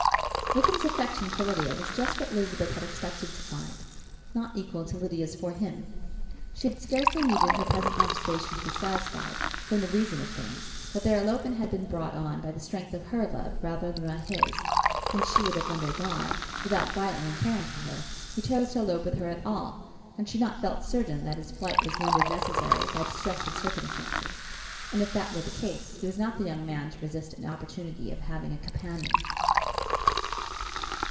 Wickham's affection for Lydia was just what Elizabeth had expected to find it; not equal to Lydia's for him. She had scarcely needed her present observation to be satisfied, from the reason of things, that their elopement had been brought on by the strength of her love rather than by his; and she would have wondered why, without violently caring for her, he chose to elope with her at all, had she not felt certain that his flight was rendered necessary by distress of circumstances; and if that were the case, he was not the young man to resist an opportunity of having a companion.